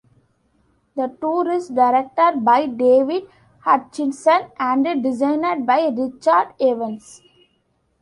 The tour is directed by David Hutchinson and designed by Richard Evans.